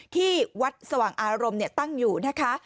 ที่วัดสว่างอารมณ์ตั้งอยู่นะคะ